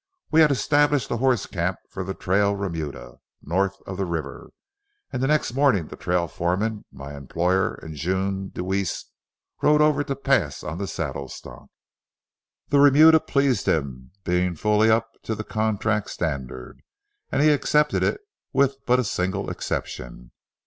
We had established a horse camp for the trail remuda, north of the river, and the next morning the trail foreman, my employer, and June Deweese, rode over to pass on the saddle stock. The remuda pleased him, being fully up to the contract standard, and he accepted it with but a single exception.